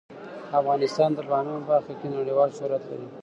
افغانستان د بامیان په برخه کې نړیوال شهرت لري.